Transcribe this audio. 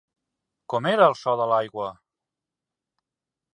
Com era el so de l'aigua?